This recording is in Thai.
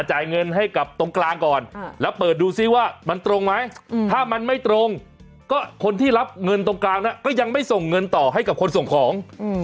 จ่ายเงินให้กับตรงกลางก่อนแล้วเปิดดูซิว่ามันตรงไหมถ้ามันไม่ตรงก็คนที่รับเงินตรงกลางนะก็ยังไม่ส่งเงินต่อให้กับคนส่งของ